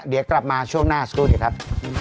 เดี๋ยวกลับมาช่วงหน้าสักครู่เดี๋ยวครับ